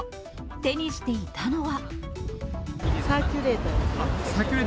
手にしていたのは。